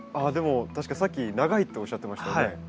あでも確かさっき長いっておっしゃってましたよね。